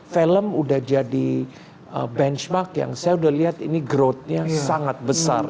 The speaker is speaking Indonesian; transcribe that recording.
film udah jadi benchmark yang saya udah lihat ini growth nya sangat besar